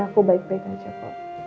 aku baik baik aja kok